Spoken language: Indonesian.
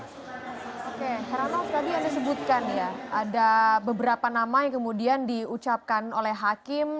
oke heranov tadi anda sebutkan ya ada beberapa nama yang kemudian diucapkan oleh hakim